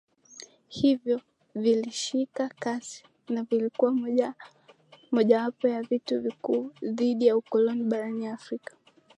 hivyo vilishika kasi na vilikuwa mojawapo ya vita vikuu dhidi ya ukoloni barani Afrika